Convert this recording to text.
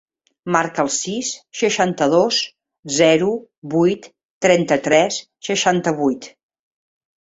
Marca el sis, seixanta-dos, zero, vuit, trenta-tres, seixanta-vuit.